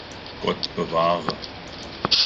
Gott bewahre!